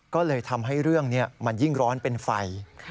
ก็เลยทำให้เรื่องนี้มันยิ่งร้อนเป็นไฟ